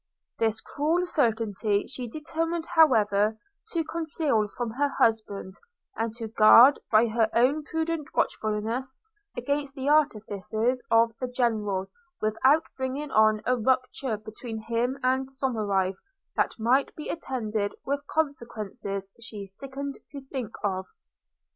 This cruel certainty she determined however to conceal from her husband, and to guard, by her own prudent watchfulness, against the artifices of the General, without bringing on a rupture between him and Somerive, that might be attended with consequences she sickened to think of.